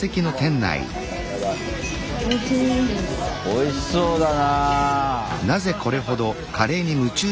おいしそうだな。